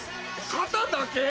肩だけ？